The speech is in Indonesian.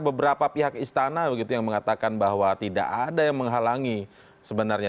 beberapa pihak istana begitu yang mengatakan bahwa tidak ada yang menghalangi sebenarnya